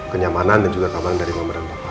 kenyamanan dan juga keamanan dari mama dan papa